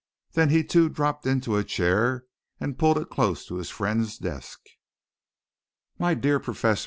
Then he too dropped into a chair and pulled it close to his friend's desk. "My dear Professor!"